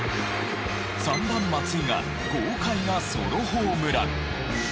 ３番松井が豪快なソロホームラン。